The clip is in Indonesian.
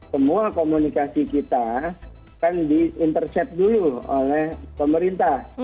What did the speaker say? semua komunikasi kita kan di intercet dulu oleh pemerintah